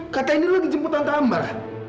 katanya lo dijemputan tambar